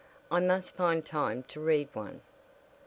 I must find time to read one."